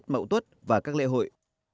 mẫu tuất và các lễ hội